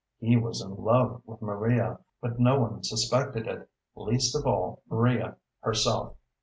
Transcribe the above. He was in love with Maria, but no one suspected it, least of all Maria herself.